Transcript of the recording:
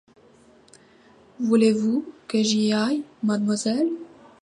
Voulez-vous que j’y aille, mademoiselle ?